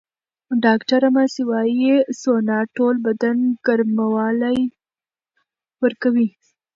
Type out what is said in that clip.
ډاکټره ماسي وايي، سونا ټول بدن ګرموالی ورکوي.